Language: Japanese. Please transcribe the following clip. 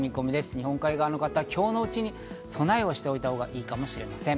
日本海側の方、今日のうちに備えをしておいたほうがいいかもしれません。